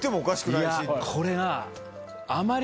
いやこれが。